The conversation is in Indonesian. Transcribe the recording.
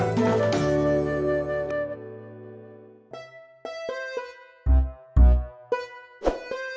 tapi gw libih packet tuh sama c sealing